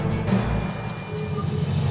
tidak ada satu